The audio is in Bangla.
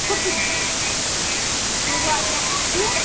মোড়ে একটা কাঁচা রাস্তা পাবে।